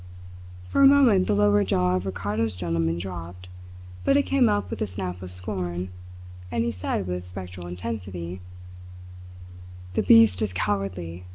For a moment the lower jaw of Ricardo's gentleman dropped; but it came up with a snap of scorn, and he said with spectral intensity: "The beast is cowardly!